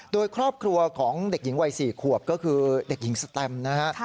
โดยครอบครัวของเด็กหญิงวัย๔ขวบก็คือเด็กหญิงสแตมนะฮะ